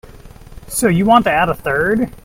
So you want to add a third?